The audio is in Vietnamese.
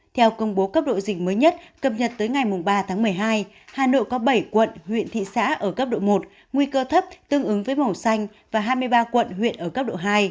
theo công bố cấp độ dịch mới nhất cập nhật tới ngày ba tháng một mươi hai hà nội có bảy quận huyện thị xã ở cấp độ một nguy cơ thấp tương ứng với màu xanh và hai mươi ba quận huyện ở cấp độ hai